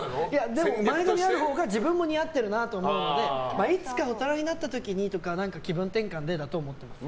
でも、前髪あるほうが自分も似合ってるなと思うのでいつか、大人になった時にとか気分転換でだと思ってます。